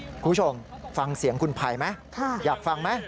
คุณผู้ชมฟังเสียงคุณภัยไหมอยากฟังไหม